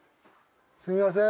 すみません。